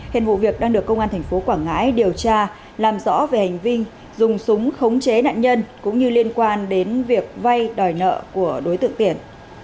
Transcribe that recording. hèn vụ việc đang được công an tp quảng ngãi điều tra làm rõ về hành vi dùng súng khống chế nạn nhân cũng như liên quan đến việc vay đòi nợ của đối tượng tiền